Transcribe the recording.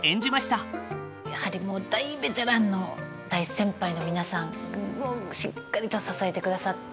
やはりもう大ベテランの大先輩の皆さんがしっかりと支えてくださって。